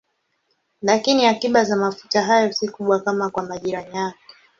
Lakini akiba za mafuta hayo si kubwa kama kwa majirani yake.